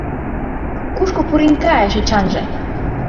Кушко пурен кайыш Эчанже?